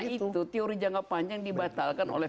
karena itu teori jangka panjang dibatalkan oleh